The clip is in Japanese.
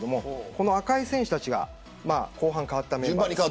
この赤い選手たちが後半、代わった選手です。